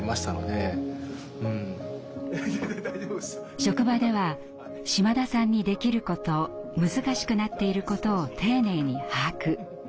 職場では島田さんにできること難しくなっていることを丁寧に把握。